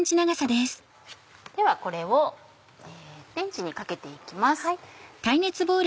ではこれをレンジにかけて行きます。